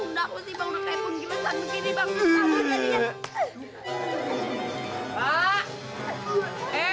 nggak usibang ngepepung begini bang kamu jadinya